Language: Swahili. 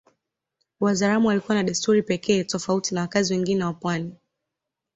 Wazaramo walikuwa na desturi za pekee tofauti na wakazi wengine ya pwani